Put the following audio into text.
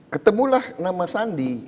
ketemulah nama sandi